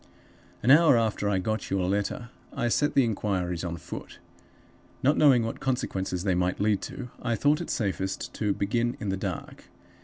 "An hour after I got your letter I set the inquiries on foot. Not knowing what consequences they might lead to, I thought it safest to begin in the dark.